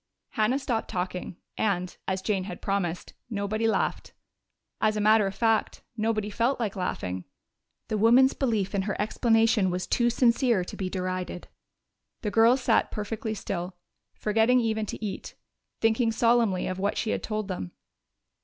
Hannah stopped talking, and, as Jane had promised, nobody laughed. As a matter of fact, nobody felt like laughing. The woman's belief in her explanation was too sincere to be derided. The girls sat perfectly still, forgetting even to eat, thinking solemnly of what she had told them.